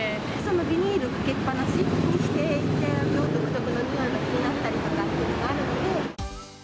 ビニールかけっぱなしにしていて、独特の匂いが気になったりとかっていうのはあるので。